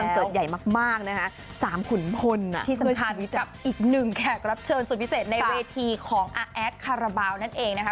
ที่สำคัญกับอีกหนึ่งแขกรับเชิญสุดพิเศษในเวทีของอแอดคาราบาลนั่นเองนะคะ